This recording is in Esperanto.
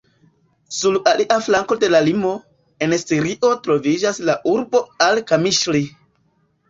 Sur alia flanko de la limo, en Sirio troviĝas la urbo al-Kamiŝli.